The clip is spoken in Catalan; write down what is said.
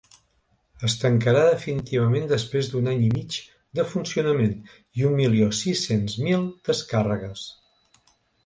Es tancarà definitivament després d’un any i mig de funcionament i un milió sis-cents mil descàrregues.